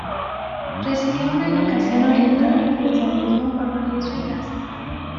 Recibió una educación orientada al cristianismo por los jesuitas.